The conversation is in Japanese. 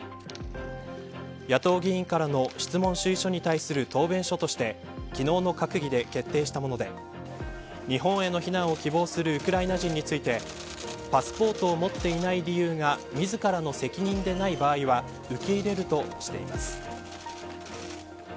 野党議員からの質問趣意書に対する答弁書として昨日の閣議で決定したもので日本への避難を希望するウクライナ人についてパスポートを持っていない理由が自らの責任でない場合は受け入れるとしています。